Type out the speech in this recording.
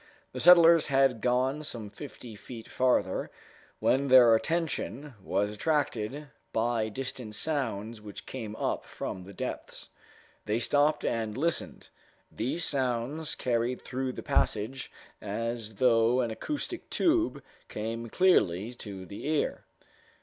The settlers had gone some fifty feet farther, when their attention was attracted by distant sounds which came up from the depths. They stopped and listened. These sounds, carried through the passage as through an acoustic tube, came clearly to the ear.